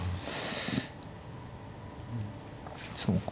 そうか。